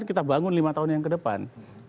kita bangun lima tahun yang kedepan